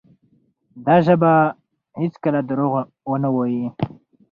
دا ژبه به هیڅکله درواغ ونه وایي.